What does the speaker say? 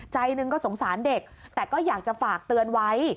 ใจหนึ่งก็สงสารเด็กแต่ก็อยากจะฝากเตือนไว้